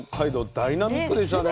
ダイナミックでしたね。